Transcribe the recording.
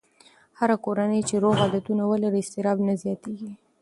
هره کورنۍ چې روغ عادتونه ولري، اضطراب نه زیاتېږي.